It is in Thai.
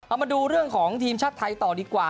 เอามาดูเรื่องของทีมชาติไทยต่อดีกว่า